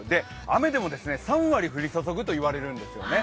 雨でも３割降り注ぐと言われているんですよね。